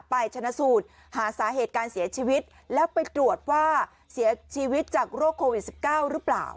ชนะสูตรหาสาเหตุการเสียชีวิตแล้วไปตรวจว่าเสียชีวิตจากโรคโควิด๑๙หรือเปล่า